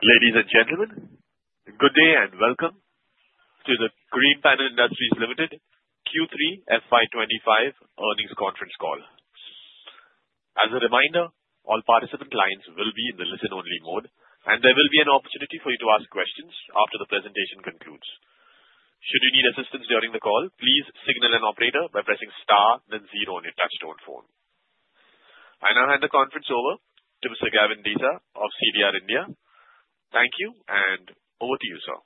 Ladies and gentlemen, good day and welcome to the Greenpanel Industries Ltd. Q3 FY25 earnings conference call. As a reminder, all participant lines will be in the listen-only mode, and there will be an opportunity for you to ask questions after the presentation concludes. Should you need assistance during the call, please signal an operator by pressing star, then zero on your touch-tone phone. I now hand the conference over to Mr. Gavin Desa of CDR India. Thank you, and over to you, sir.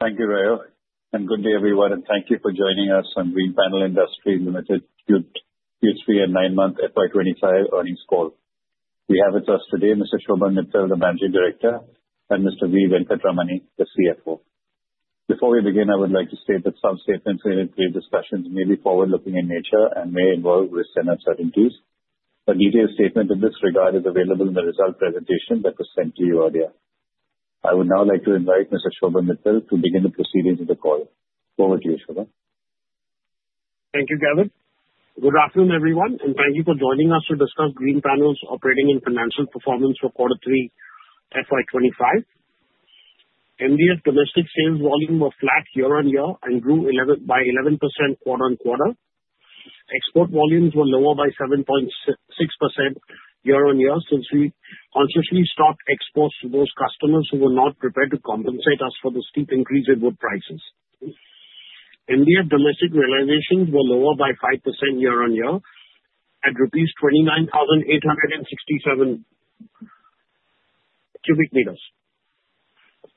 Thank you, Roy. Good day, everyone. Thank you for joining us on Greenpanel Industries Ltd. Q3 and nine-month FY25 earnings call. We have with us today Mr. Shobhan Mittal, the Managing Director, and Mr. V. Venkatramani as CFO. Before we begin, I would like to state that some statements in this discussion may be forward-looking in nature and may involve risk and uncertainties. A detailed statement in this regard is available in the result presentation that was sent to you earlier. I would now like to invite Mr. Shobhan Mittal to begin the proceedings of the call. Over to you, Shobhan. Thank you, Gavin. Good afternoon, everyone, and thank you for joining us to discuss Greenpanel's operating and financial performance for Q3 FY25. MDF domestic sales volumes were flat year-on-year and grew by 11% quarter-on-quarter. Export volumes were lower by 7.6% year-on-year since we consciously stopped exports to those customers who were not prepared to compensate us for the steep increase in wood prices. MDF domestic realizations were lower by 5% year-on-year at rupees 29,867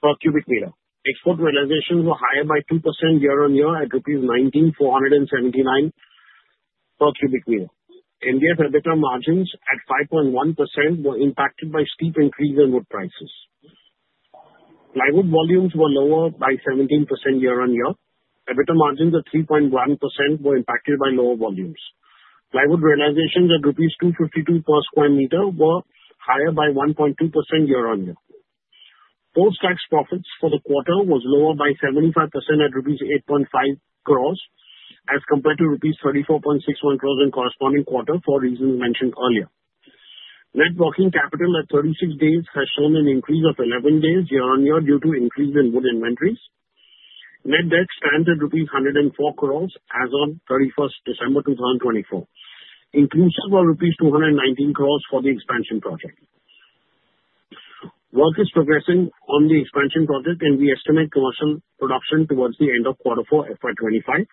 per cubic meter. Export realizations were higher by 2% year-on-year at rupees 19,479 per cubic meter. MDF EBITDA margins at 5.1% were impacted by steep increase in wood prices. Plywood volumes were lower by 17% year-on-year. EBITDA margins at 3.1% were impacted by lower volumes. Plywood realizations at rupees 252 per square meter were higher by 1.2% year-on-year. Post-tax profits for the quarter were lower by 75% at rupees 8.5 crores as compared to rupees 34.61 crores in corresponding quarter for reasons mentioned earlier. Net working capital at 36 days has shown an increase of 11 days year-on-year due to increase in wood inventories. Net debt stands at rupees 104 crores as of 31st December 2024. Investments were rupees 219 crores for the expansion project. Work is progressing on the expansion project, and we estimate commercial production towards the end of Q4 FY25.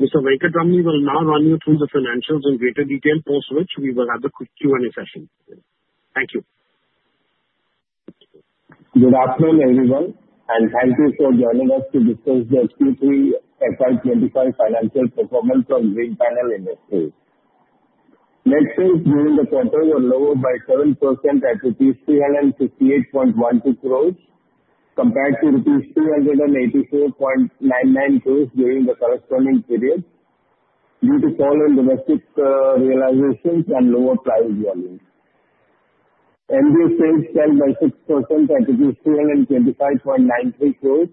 Mr. Venkatramani will now run you through the financials in greater detail, post which we will have a Q&A session. Thank you. Good afternoon, everyone, and thank you for joining us to discuss the Q3 FY25 financial performance of Greenpanel Industries. Net sales during the quarter were lower by 7% at rupees 358.12 crores compared to rupees 384.99 crores during the corresponding period due to fall in domestic realizations and lower price volume. MDF sales fell by 6% at 325.93 crores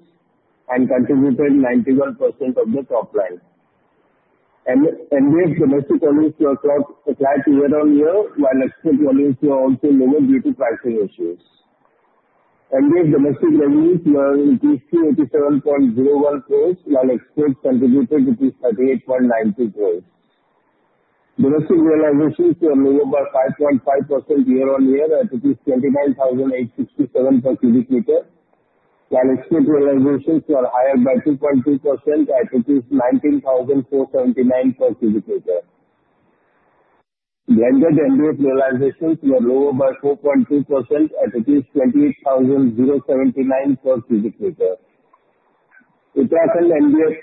and contributed 91% of the top line. MDF domestic volumes were flat year-on-year, while export volumes were also lower due to pricing issues. MDF domestic revenues were INR 87.01 crores while exports contributed INR 38.92 crores. Domestic realizations were lower by 5.5% year-on-year at 29,867 per cubic meter, while export realizations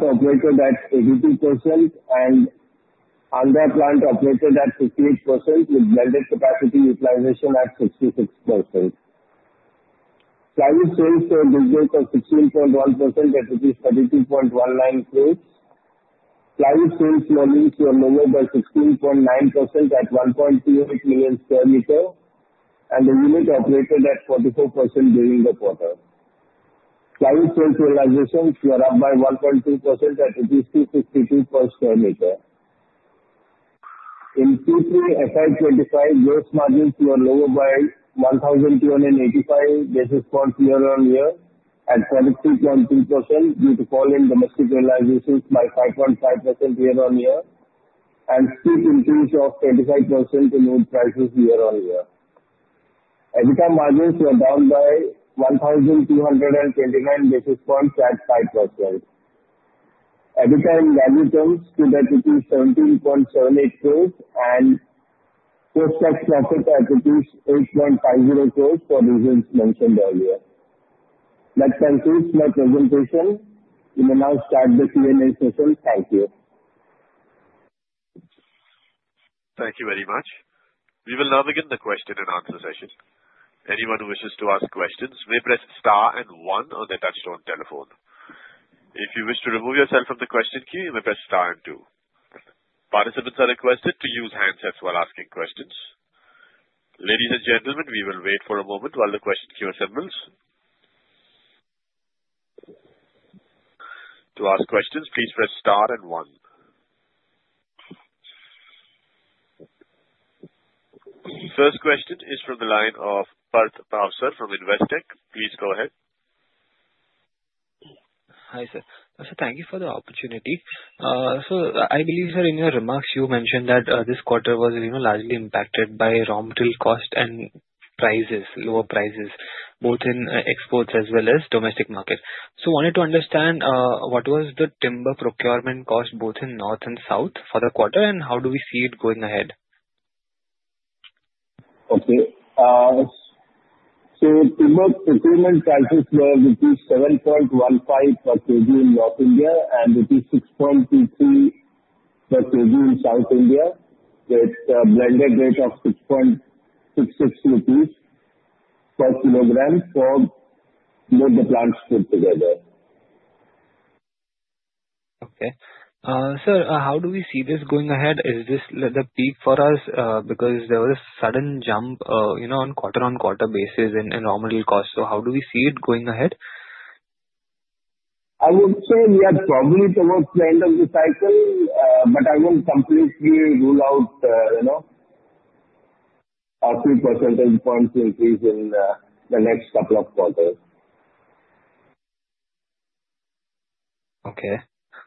were higher by 2.2% at INR 19,479 per cubic meter. Blended MDF realizations were lower by 4.2% at 28,079 per cubic meter. Uttarakhand plant operated at 82% and Andhra plant operated at 58% with blended capacity utilization at 66%. Plywood sales were decreased by 16.1% atINR 32.19 crores. Plywood sales volumes were lower by 16.9% at 1.38 million square meters, and the unit operated at 44% during the quarter. Plywood sales realizations were up by 1.2% at 262 per square meter. In Q3 FY25, gross margins were lower by 1,285 basis points year-on-year at 43.2% due to fall in domestic realizations by 5.5% year-on-year and steep increase of 25% in wood prices year-on-year. EBITDA margins were down by 1,229 basis points at 5%. EBITDA in larger terms stood at INR 17.78 crores and post-tax profit at 8.50 crores for reasons mentioned earlier. That concludes my presentation. We will now start the Q&A session. Thank you. Thank you very much. We will now begin the question and answer session. Anyone who wishes to ask questions may press star and one on their touch-tone telephone. If you wish to remove yourself from the question queue, you may press star and two. Participants are requested to use handsets while asking questions. Ladies and gentlemen, we will wait for a moment while the question queue assembles. To ask questions, please press star and one. First question is from the line of Parth Bhavsar from Investec. Please go ahead. Hi, sir. So thank you for the opportunity. So I believe, sir, in your remarks you mentioned that this quarter was largely impacted by raw material cost and prices, lower prices, both in exports as well as domestic market. So I wanted to understand what was the timber procurement cost both in North and South for the quarter and how do we see it going ahead? Okay. So timber procurement prices were 7.15 per kg in North India and 6.23 per kg in South India with a blended rate of INR 6.66 per kilogram for both the plants put together. Okay. Sir, how do we see this going ahead? Is this the peak for us because there was a sudden jump on quarter-on-quarter basis in raw material cost? So how do we see it going ahead? I would say we are probably towards the end of the cycle, but I won't completely rule out a few percentage points increase in the next couple of quarters. Okay.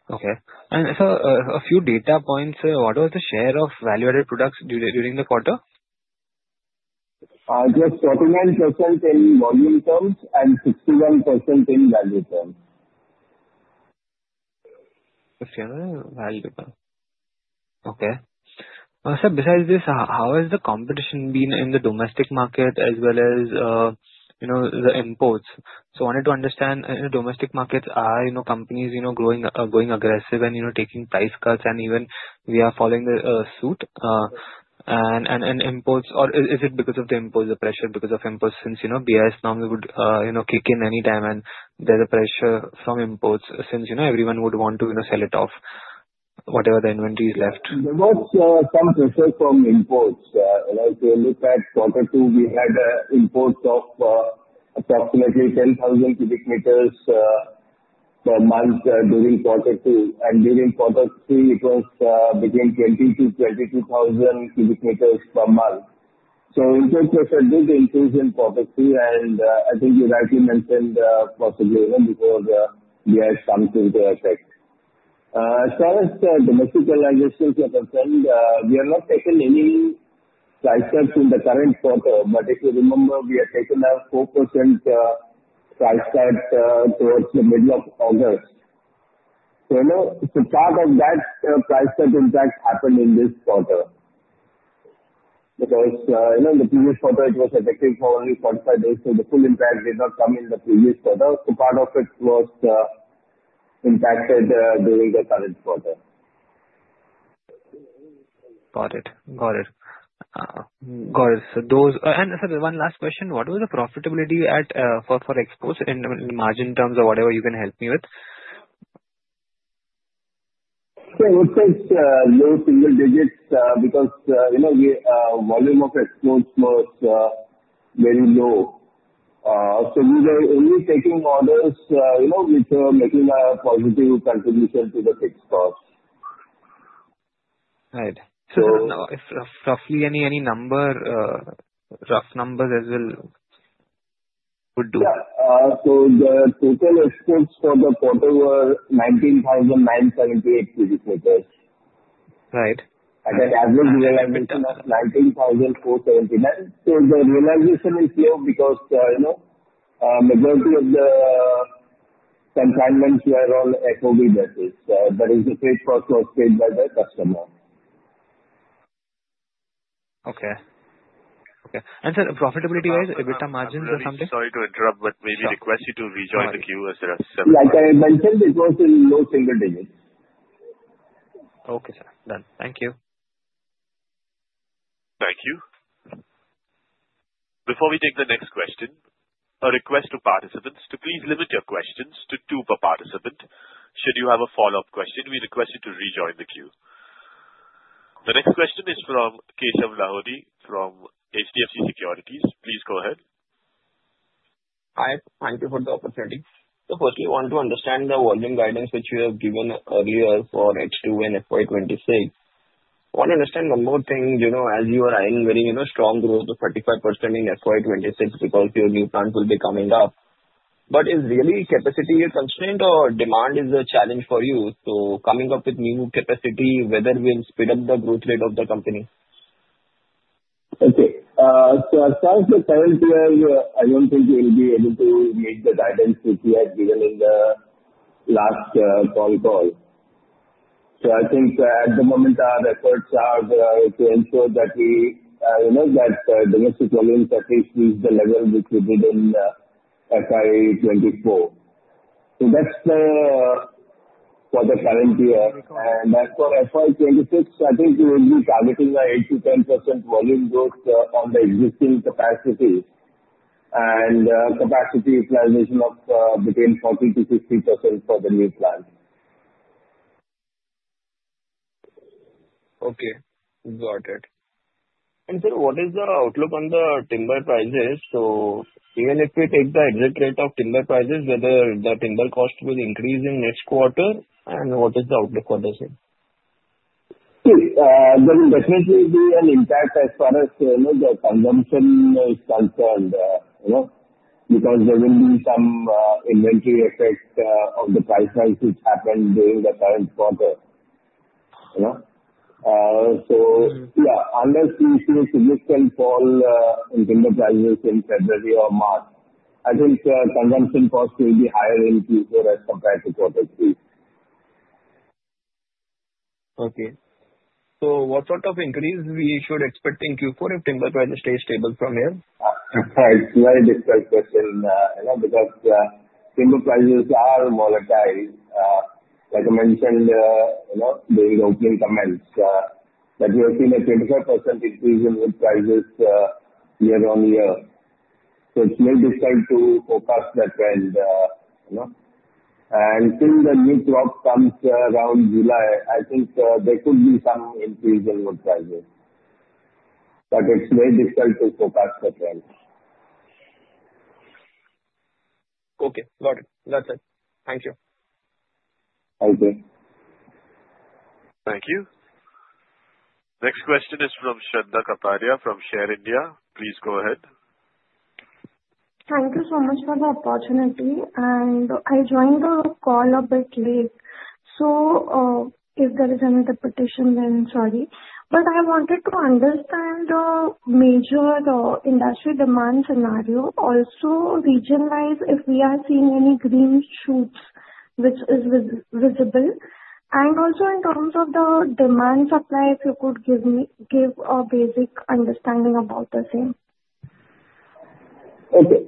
Okay. And sir, a few data points, sir. What was the share of value-added products during the quarter? Just 49% in volume terms and 61% in value terms. Okay. Alright. Okay. Sir, besides this, how has the competition been in the domestic market as well as the imports? So I wanted to understand in the domestic markets, are companies going aggressive and taking price cuts and even we are following suit? And imports, or is it because of the imports, the pressure because of imports since BIS normally would kick in any time and there's a pressure from imports since everyone would want to sell it off, whatever the inventory is left? There was some pressure from imports. If you look at quarter two, we had imports of approximately 10,000 cubic meters per month during quarter two. During quarter three, it was between 20,000-22,000 cubic meters per month. It was such a big increase in quarter two, and I think you rightly mentioned possibly before BIS came into effect. As far as domestic realizations are concerned, we have not taken any price cuts in the current quarter, but if you remember, we had taken a 4% price cut towards the middle of August. So part of that price cut, in fact, happened in this quarter because in the previous quarter, it was effective for only 45 days, so the full impact did not come in the previous quarter. So part of it was impacted during the current quarter. Got it. Got it. Got it. Sir, one last question. What was the profitability for exports in margin terms or whatever you can help me with? So I would say low single digits because the volume of exports was very low. So we were only taking orders which were making a positive contribution to the fixed cost. Right. So roughly any number, rough numbers as well would do. Yeah, so the total exports for the quarter were 19,978 cubic meters. Right. And then average realization was INR 19,479. So the realization is low because majority of the consignments were on FOB basis. That is, the freight cost was paid by the customer. Okay. Okay. And sir, profitability-wise, EBITDA margins or something? Sorry to interrupt, but may we request you to rejoin the queue as there are several? Like I mentioned, it was in low single digits. Okay, sir. Done. Thank you. Thank you. Before we take the next question, a request to participants to please limit your questions to two per participant. Should you have a follow-up question, we request you to rejoin the queue. The next question is from Keshav Lahoti from HDFC Securities. Please go ahead. Hi. Thank you for the opportunity. So firstly, I want to understand the volume guidance which you have given earlier for H2 and FY26. I want to understand one more thing. As you are eyeing very strong growth of 35% in FY26 because your new plants will be coming up, but is really capacity a constraint or demand is a challenge for you? So coming up with new capacity, whether will speed up the growth rate of the company? Okay. So as far as the current year, I don't think we will be able to meet the guidance which you have given in the last phone call. So I think at the moment, our efforts are to ensure that we know that domestic volumes at least reach the level which we did in FY24. So that's for the current year. And as for FY26, I think we will be targeting an 8%-10% volume growth on the existing capacity and capacity utilization of between 40%-60% for the new plants. Okay. Got it. And sir, what is the outlook on the timber prices? So even if we take the exact rate of timber prices, whether the timber cost will increase in next quarter and what is the outlook for this year? There will definitely be an impact as far as the consumption is concerned because there will be some inventory effect of the price rise which happened during the current quarter. So yeah, unless we see a significant fall in timber prices in February or March, I think consumption cost will be higher in Q4 as compared to Q3. Okay. So what sort of increase we should expect in Q4 if timber prices stay stable from here? That's a very difficult question because timber prices are volatile. Like I mentioned during the opening comments, that we have seen a 25% increase in wood prices year-on-year. So it's very difficult to forecast that trend. And since the new crop comes around July, I think there could be some increase in wood prices. But it's very difficult to forecast that trend. Okay. Got it. That's it. Thank you. Okay. Thank you. Next question is from Shraddha Kapadia from Share India. Please go ahead. Thank you so much for the opportunity. And I joined the call a bit late. So if there is any interpretation, then sorry. But I wanted to understand the major industry demand scenario. Also, region-wise, if we are seeing any green shoots which is visible? And also in terms of the demand supply, if you could give a basic understanding about the same? Okay.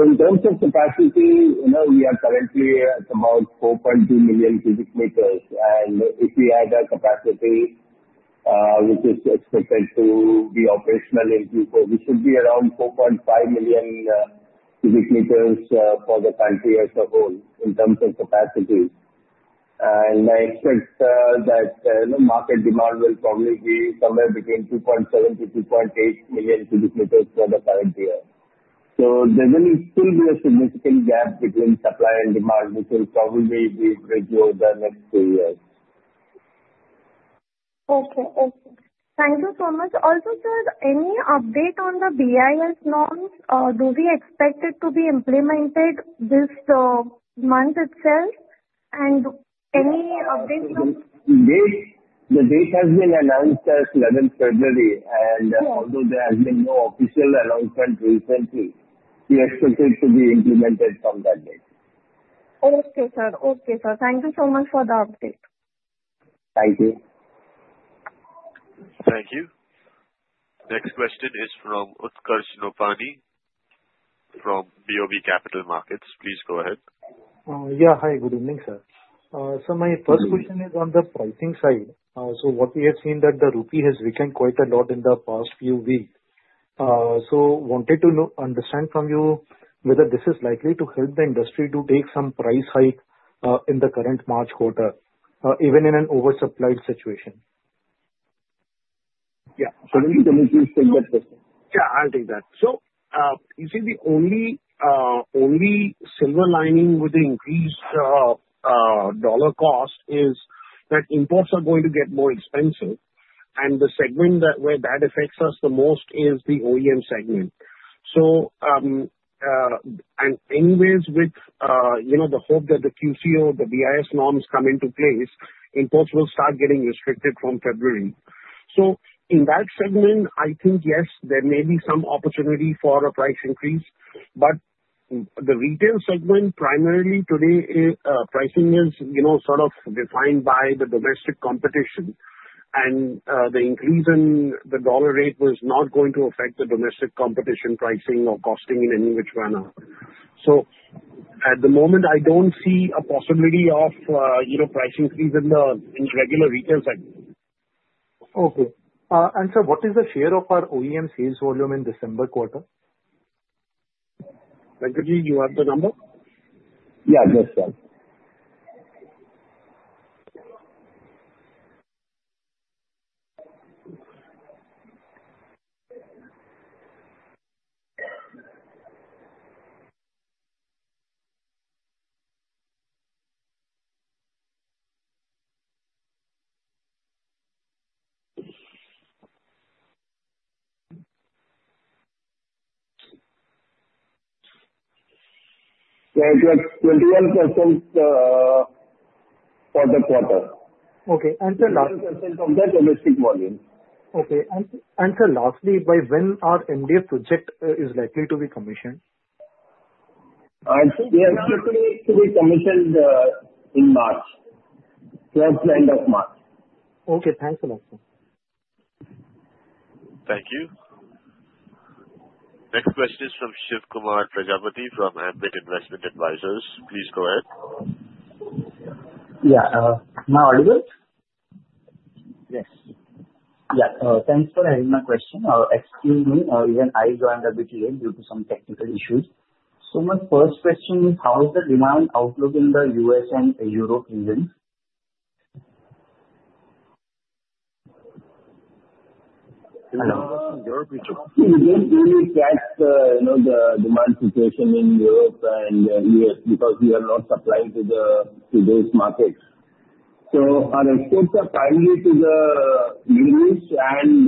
In terms of capacity, we are currently at about 4.2 million cubic meters. If we add our capacity, which is expected to be operational in Q4, we should be around 4.5 million cubic meters for the country as a whole in terms of capacity. I expect that market demand will probably be somewhere between 2.7-2.8 million cubic meters for the current year. There will still be a significant gap between supply and demand, which will probably be greater over the next two years. Okay. Okay. Thank you so much. Also, sir, any update on the BIS norms? Do we expect it to be implemented this month itself? And any update from? The date has been announced as 11th February. Although there has been no official announcement recently, we expect it to be implemented from that date. Okay, sir. Okay, sir. Thank you so much for the update. Thank you. Thank you. Next question is from Utkarsh Nopany from BOB Capital Markets. Please go ahead. Yeah. Hi. Good evening, sir. My first question is on the pricing side. What we have seen is that the rupee has weakened quite a lot in the past few weeks. I wanted to understand from you whether this is likely to help the industry to take some price hike in the current March quarter, even in an oversupplied situation. Yeah. So let me finish this question. Yeah. I'll take that. So you see, the only silver lining with the increased dollar cost is that imports are going to get more expensive. And the segment where that affects us the most is the OEM segment. So in any ways, with the hope that the QCO, the BIS norms come into place, imports will start getting restricted from February. So in that segment, I think, yes, there may be some opportunity for a price increase. But the retail segment, primarily today, pricing is sort of defined by the domestic competition. And the increase in the dollar rate was not going to affect the domestic competition pricing or costing in any which manner. So at the moment, I don't see a possibility of price increase in the regular retail segment. Okay. And sir, what is the share of our OEM sales volume in December quarter? Lakhaji, you have the number? Yeah. Yes, sir. Yeah. It was 21% for the quarter. Okay. And sir, lastly. That's domestic volume. Okay. And sir, lastly, by when are MDF projects likely to be commissioned? They are likely to be commissioned in March. Towards the end of March. Okay. Thanks a lot, sir. Thank you. Next question is from Shivkumar Prajapati from Ambit Investment Advisors. Please go ahead. Yeah. My audience? Yes. Yeah. Thanks for having my question. Excuse me, even I joined a bit late due to some technical issues. So my first question is, how is the demand outlook in the U.S. and Europe region? Hello? You're muted. We can't really catch the demand situation in Europe and the U.S. because we are not supplying to those markets. So our exports are primarily to the Middle East and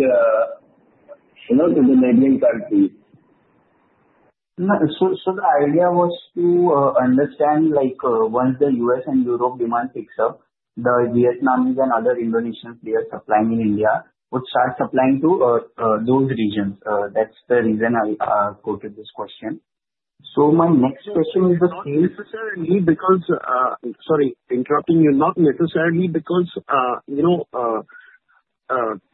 to the neighboring countries. So the idea was to understand once the U.S. and Europe demand picks up, the Vietnamese and other Indonesian players supplying in India would start supplying to those regions. That's the reason I quoted this question. So my next question is the sales, sorry, interrupting you, not necessarily because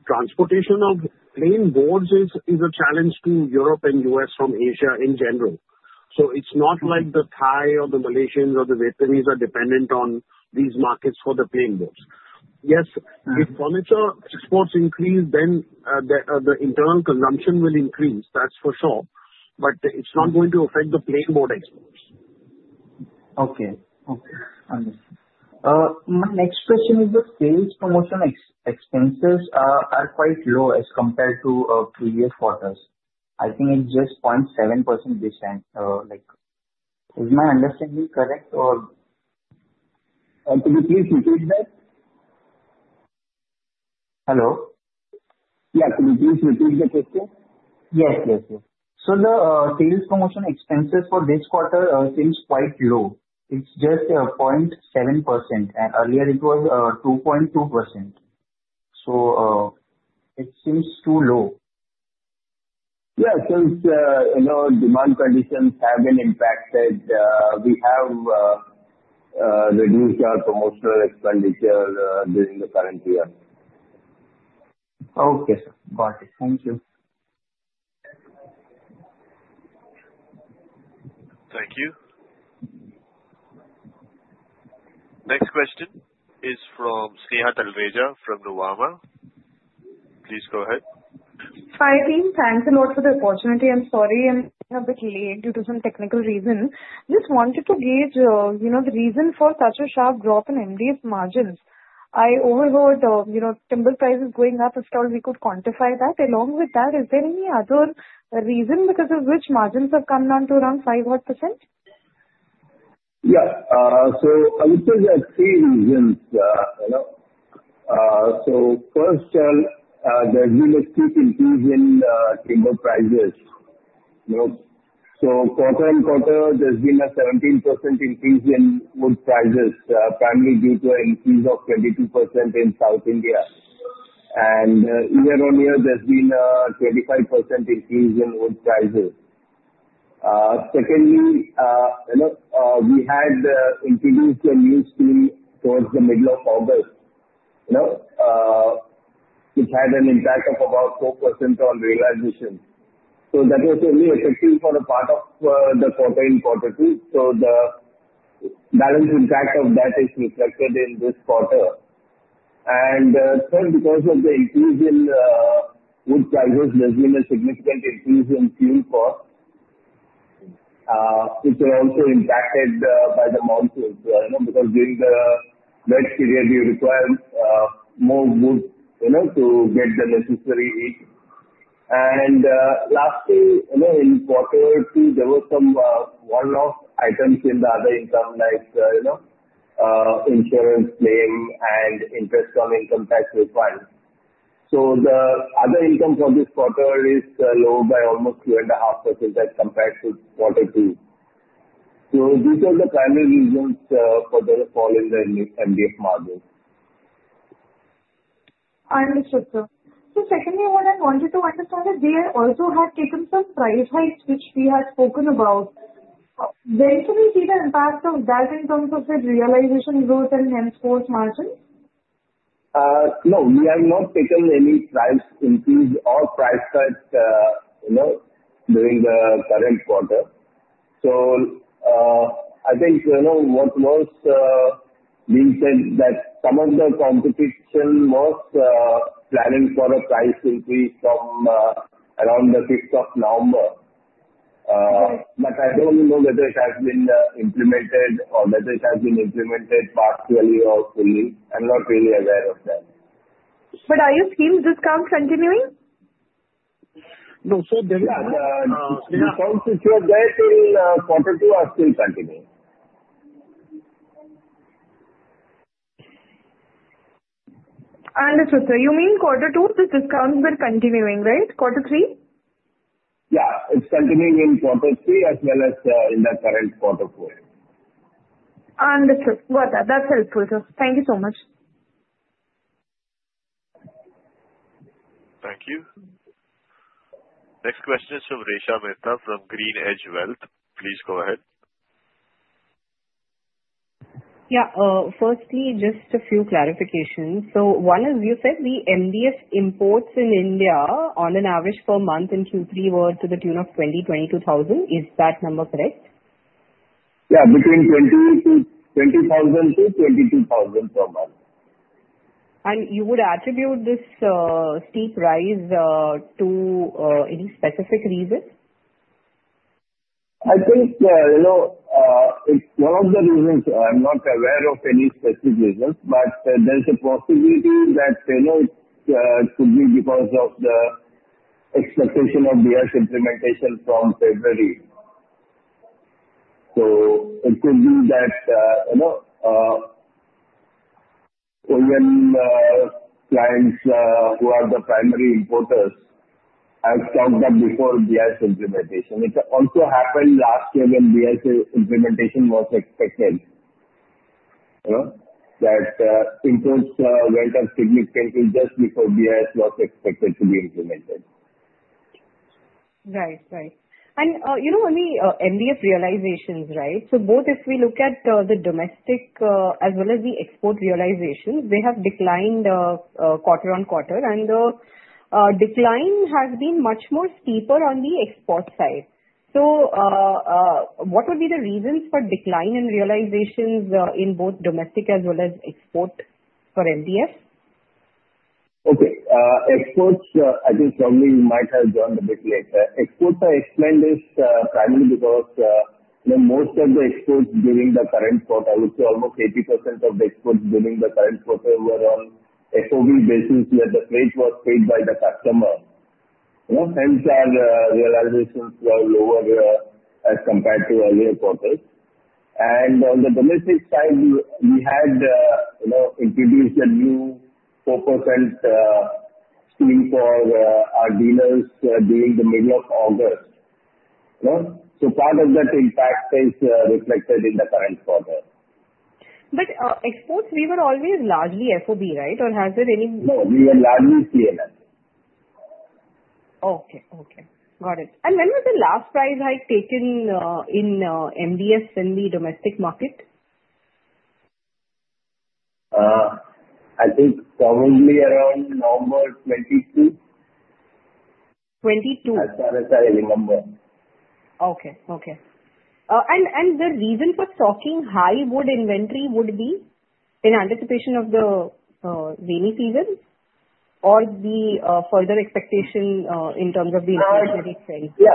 transportation of plain boards is a challenge to Europe and U.S. from Asia in general. So it's not like the Thai or the Malaysians or the Vietnamese are dependent on these markets for the plain boards. Yes, if furniture exports increase, then the internal consumption will increase. That's for sure. But it's not going to affect the plain board exports. Okay. Okay. Understood. My next question is the sales promotion expenses are quite low as compared to previous quarters. I think it's just 0.7% discount. Is my understanding correct, or? Can you please repeat that? Hello? Yeah. Can you please repeat the question? Yes. Yes. Yes. So the sales promotion expenses for this quarter seems quite low. It's just 0.7%. And earlier, it was 2.2%. So it seems too low. Yeah. So demand conditions have been impacted. We have reduced our promotional expenditure during the current year. Okay, sir. Got it. Thank you. Thank you. Next question is from Sneha Talreja from Nuvama Wealth Management. Please go ahead. Hi, team. Thanks a lot for the opportunity. I'm sorry I'm a bit late due to some technical reason. Just wanted to gauge the reason for such a sharp drop in MDF margins. I overheard timber prices going up. If at all, we could quantify that. Along with that, is there any other reason because of which margins have come down to around 5-odd%? Yeah, so I would say there are three reasons. So, first, there's been a steep increase in timber prices. So, quarter on quarter, there's been a 17% increase in wood prices, primarily due to an increase of 22% in South India, and year-on-year, there's been a 25% increase in wood prices. Secondly, we had introduced a new scheme towards the middle of August, which had an impact of about 4% on realization, so that was only effective for a part of the quarter in quarter two, so the balance impact of that is reflected in this quarter, and third, because of the increase in wood prices, there's been a significant increase in fuel costs, which were also impacted by the monsoon because during the wet period, you require more wood to get the necessary heat. Lastly, in quarter two, there were some one-off items in the other income, like insurance claim and interest on income tax refund. The other income for this quarter is lower by almost 2.5% as compared to quarter two. These are the primary reasons for the fall in the MDF margins. Understood, sir. So secondly, what I wanted to understand is we also have taken some price hikes, which we have spoken about. When can we see the impact of that in terms of realization growth and henceforth margin? No. We have not taken any price increase or price cut during the current quarter. So I think what was being said is that some of the competition was planning for a price increase from around the 5th of November. But I don't know whether it has been implemented or whether it has been implemented partially or fully. I'm not really aware of that. But are you seeing discounts continuing? No. So the discounts which were there till quarter two are still continuing. Understood, sir. You mean quarter two, the discounts were continuing, right? Quarter three? Yeah. It's continuing in quarter three as well as in the current quarter four. Understood. Got that. That's helpful, sir. Thank you so much. Thank you. Next question is from Resha Mehta from GreenEdge Wealth. Please go ahead. Yeah. Firstly, just a few clarifications. So one is, you said the MDF imports in India on an average per month in Q3 were to the tune of 20,000-22,000. Is that number correct? Yeah. Between 20,000-22,000 per month. You would attribute this steep rise to any specific reason? I think it's one of the reasons. I'm not aware of any specific reasons. But there's a possibility that it could be because of the expectation of BIS implementation from February. So it could be that OEM clients who are the primary importers have stocked up before BIS implementation. It also happened last year when BIS implementation was expected that imports went up significantly just before BIS was expected to be implemented. And on the MDF realizations, right, so both if we look at the domestic as well as the export realizations, they have declined quarter on quarter. And the decline has been much more steeper on the export side. So what would be the reasons for decline in realizations in both domestic as well as export for MDF? Okay. Exports, I think probably we might have gone a bit lower. Exports, I explained this, primarily because most of the exports during the current quarter, I would say almost 80% of the exports during the current quarter were on FOB basis where the freight was paid by the customer. Hence, our realizations were lower as compared to earlier quarters. And on the domestic side, we had introduced a new 4% scheme for our dealers during the middle of August. So part of that impact is reflected in the current quarter. But exports, we were always largely FOB, right? Or has there any? No. We were largely CNF. Okay. Okay. Got it. And when was the last price hike taken in MDF in the domestic market? I think probably around November 2022. 2022. As far as I remember. Okay. Okay. And the reason for stocking high wood inventory would be in anticipation of the rainy season or the further expectation in terms of the investment? Yeah.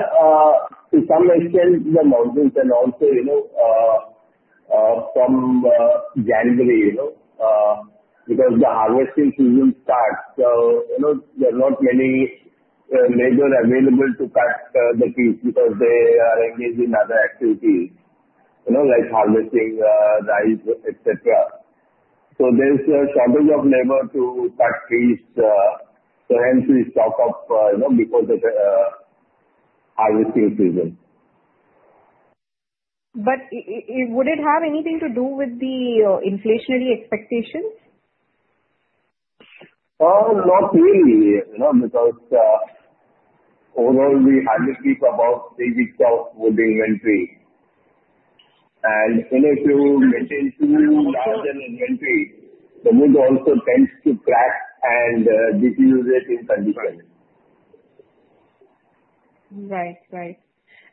To some extent, the monsoon can also come January. Because the harvesting season starts, there are not many labor available to cut the trees because they are engaged in other activities like harvesting rice, etc. So there's a shortage of labor to cut trees. So hence, we stock up before the harvesting season. But would it have anything to do with the inflationary expectations? Not really. Because overall, we had to keep about three weeks of wood inventory. And if you maintain too large an inventory, the wood also tends to crack and deteriorate in condition. Right. Right.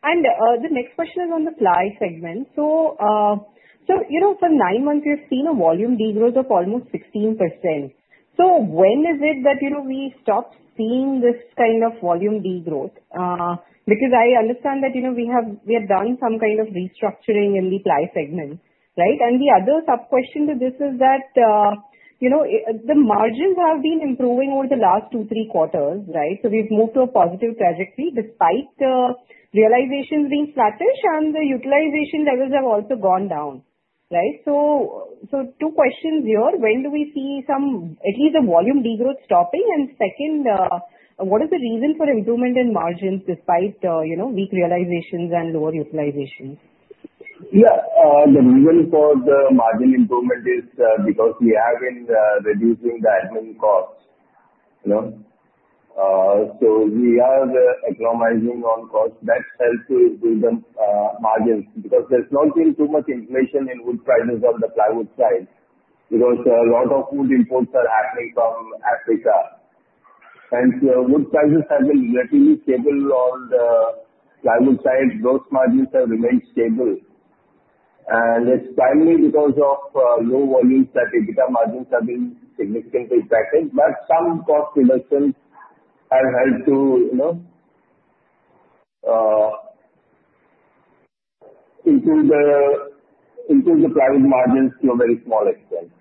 And the next question is on the ply segment. So for nine months, we have seen a volume degrowth of almost 16%. So when is it that we stopped seeing this kind of volume degrowth? Because I understand that we have done some kind of restructuring in the ply segment, right? And the other sub-question to this is that the margins have been improving over the last two, three quarters, right? So we've moved to a positive trajectory despite the realizations being flatish and the utilization levels have also gone down, right? So two questions here. When do we see at least the volume degrowth stopping? And second, what is the reason for improvement in margins despite weak realizations and lower utilization? Yeah. The reason for the margin improvement is because we have been reducing the admin costs, so we are economizing on costs. That helps to improve the margins because there's not been too much inflation in wood prices on the plywood side because a lot of wood imports are happening from Africa. Hence, wood prices have been relatively stable on the plywood side. Those margins have remained stable, and it's primarily because of low volumes that the plywood margins have been significantly affected, but some cost reductions have helped to improve the plywood margins to a very small extent.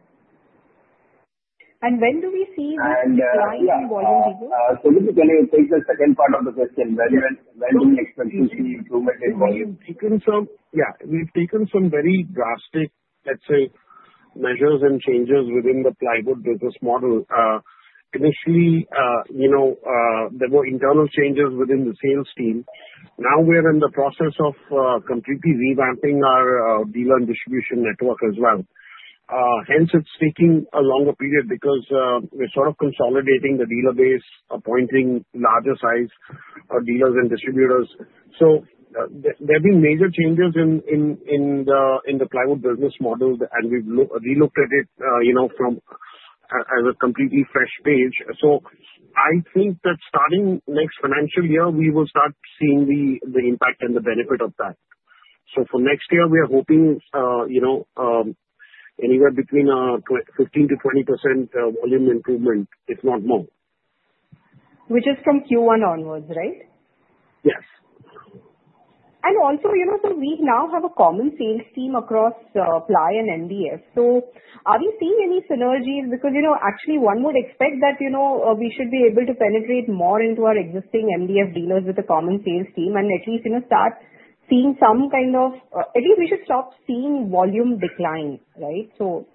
When do we see these declines in volume degrowth? So this is going to take the second part of the question. When do we expect to see improvement in volume? Yeah. We've taken some very drastic, let's say, measures and changes within the plywood business model. Initially, there were internal changes within the sales team. Now we are in the process of completely revamping our dealer and distribution network as well. Hence, it's taking a longer period because we're sort of consolidating the dealer base, appointing larger-sized dealers and distributors. So there have been major changes in the plywood business model, and we've relooked at it as a completely fresh page. So I think that starting next financial year, we will start seeing the impact and the benefit of that. So for next year, we are hoping anywhere between 15%-20% volume improvement, if not more. Which is from Q1 onwards, right? Yes. And also, we now have a common sales team across ply and MDF. So are we seeing any synergies? Because actually, one would expect that we should be able to penetrate more into our existing MDF dealers with a common sales team and at least start seeing some kind of at least we should stop seeing volume decline, right? So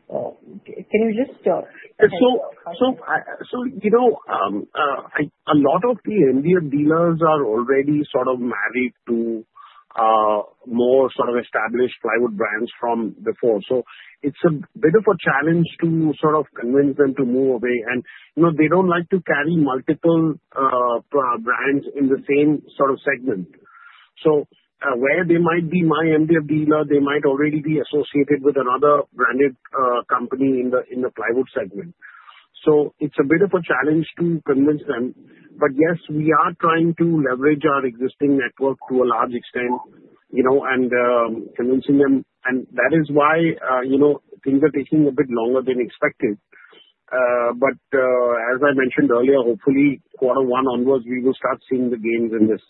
can you just? So a lot of the MDF dealers are already sort of married to more sort of established plywood brands from before. So it's a bit of a challenge to sort of convince them to move away. And they don't like to carry multiple brands in the same sort of segment. So where they might be my MDF dealer, they might already be associated with another branded company in the plywood segment. So it's a bit of a challenge to convince them. But yes, we are trying to leverage our existing network to a large extent and convincing them. And that is why things are taking a bit longer than expected. But as I mentioned earlier, hopefully, quarter one onwards, we will start seeing the gains in this.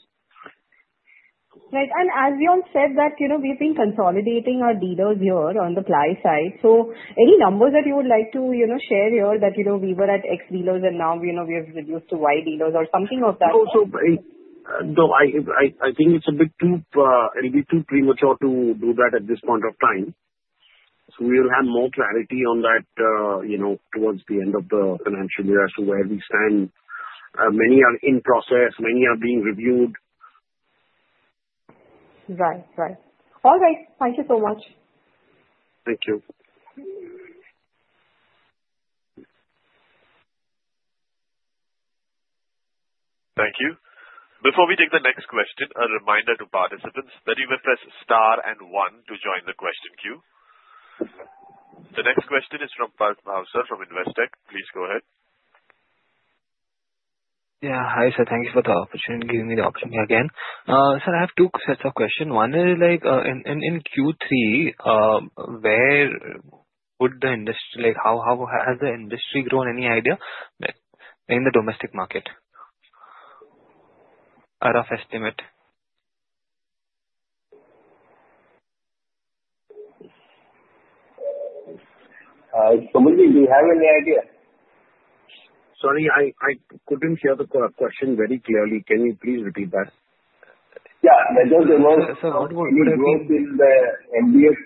Right. As we all said, we've been consolidating our dealers here on the ply side. So any numbers that you would like to share here that we were at X dealers and now we have reduced to Y dealers or something of that? No. I think it's a bit too premature to do that at this point of time. So we will have more clarity on that towards the end of the financial year as to where we stand. Many are in process. Many are being reviewed. Right. Right. All right. Thank you so much. Thank you. Thank you. Before we take the next question, a reminder to participants that you may press star and one to join the question queue. The next question is from Parth Bhavsar from Investec. Please go ahead. Yeah. Hi, sir. Thank you for the opportunity to give me the opportunity again. Sir, I have two sets of questions. One is in Q3, how has the industry grown? Any idea in the domestic market? Rough estimate. Somebody, do you have any idea? Sorry, I couldn't hear the question very clearly. Can you please repeat that? Yeah. There was a lot of degrowth in the MDF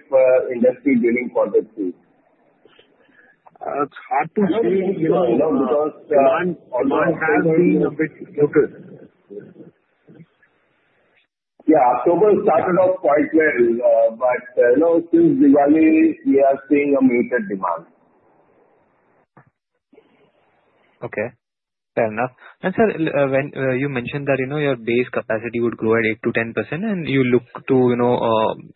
industry during quarter two. It's hard to say because demand has been a bit muted. Yeah. October started off quite well, but since Diwali, we are seeing a muted demand. Okay. Fair enough. And sir, you mentioned that your base capacity would grow at eight to 10%, and you look to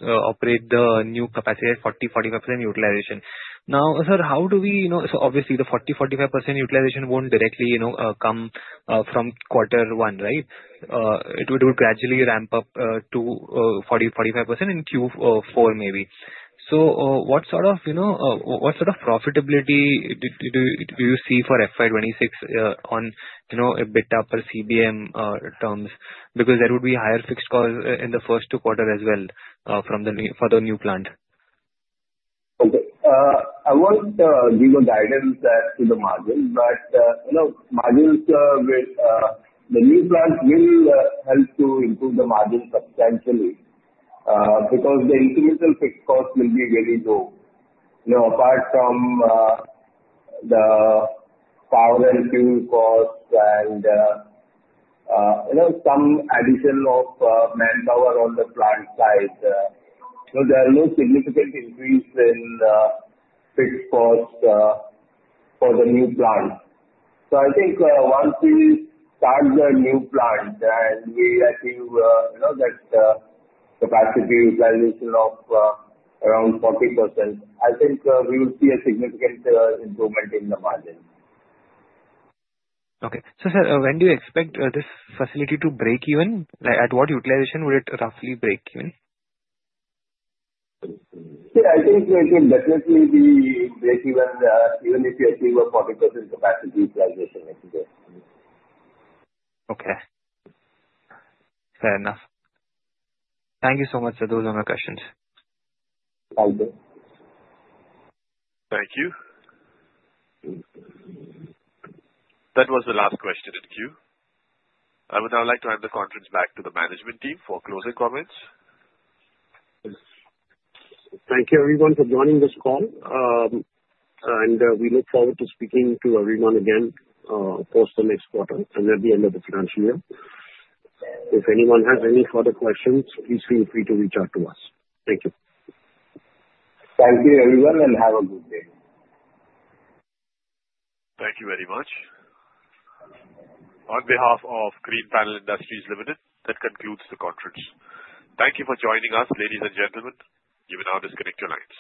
operate the new capacity at 40%-45% utilization. Now, sir, how do we so obviously, the 40%-45% utilization won't directly come from quarter one, right? It would gradually ramp up to 40%-45% in Q4 maybe. So what sort of profitability do you see for FY26 on EBITDA or CBM terms? Because there would be higher fixed costs in the first two quarters as well for the new plant. Okay. I won't give guidance to the margins, but the new plants will help to improve the margins substantially because the incremental fixed costs will be very low. Apart from the power and fuel costs and some addition of manpower on the plant side, there are no significant increases in fixed costs for the new plant. So I think once we start the new plant and we achieve that capacity utilization of around 40%, I think we will see a significant improvement in the margins. Okay. So sir, when do you expect this facility to break even? At what utilization would it roughly break even? Yeah. I think it will definitely be break even if you achieve a 40% capacity utilization. Okay. Fair enough. Thank you so much, sir. Those are my questions. Thank you. Thank you. That was the last question in queue. I would now like to hand the conference back to the management team for closing comments. Thank you, everyone, for joining this call, and we look forward to speaking to everyone again post the next quarter and at the end of the financial year. If anyone has any further questions, please feel free to reach out to us. Thank you. Thank you, everyone, and have a good day. Thank you very much. On behalf of Greenpanel Industries Limited, that concludes the conference. Thank you for joining us, ladies and gentlemen. You may now disconnect your lines.